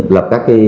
lập các cái